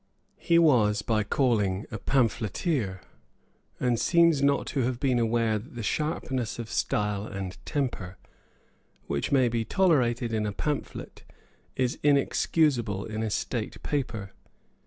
He was by calling a pamphleteer, and seems not to have been aware that the sharpness of style and of temper which may be tolerated in a pamphlet is inexcusable in a state paper.